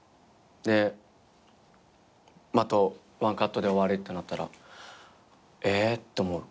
であとワンカットで終わりってなったらえ！って思う。